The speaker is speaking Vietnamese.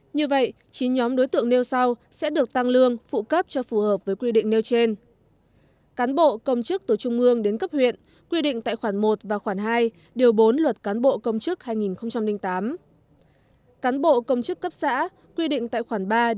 như vậy chín nhóm đối tượng nêu sau sẽ được tăng lương phụ cấp cho phù hợp với quy định nêu trên